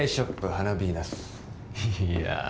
花ヴィーナスいや